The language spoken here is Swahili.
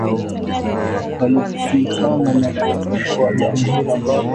Walipishana na wa Jamhuri ambao kwa ujumla walimshinikiza Jackson.